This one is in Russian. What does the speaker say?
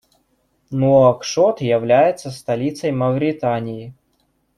Нуакшот является столицей Мавритании.